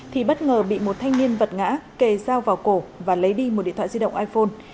thì bất ngờ bị một thanh niên vật ngã kề dao vào cổ và lấy đi một điện thoại di động iphone